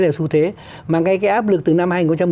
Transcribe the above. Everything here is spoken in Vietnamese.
là xu thế mà ngay cái áp lực từ năm hai nghìn một mươi